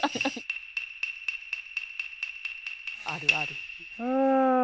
あるある。